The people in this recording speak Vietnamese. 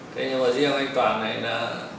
thế nhưng mà riêng anh toàn ấy đã